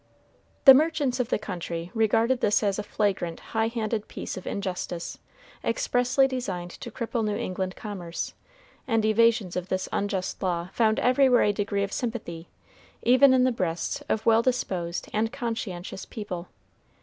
The merchants of the country regarded this as a flagrant, high handed piece of injustice, expressly designed to cripple New England commerce, and evasions of this unjust law found everywhere a degree of sympathy, even in the breasts of well disposed and conscientious people.